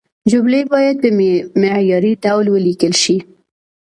جملې باید په معياري ډول ولیکل شي.